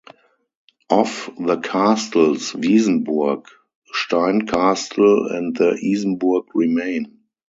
Of the castles, Wiesenburg, Stein Castle and the Isenburg remain.